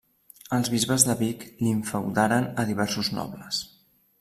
Els bisbes de Vic l'infeudaren a diversos nobles.